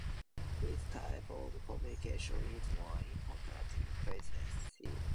Which type of communication is more important in business?